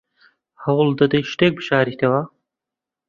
هەوڵ دەدەیت شتێک بشاریتەوە؟